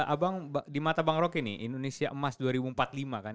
abang di mata bang roky nih indonesia emas dua ribu empat puluh lima kan